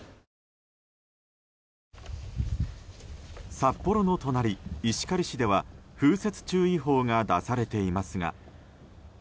札幌の隣、石狩市では風雪注意報が出されていますが。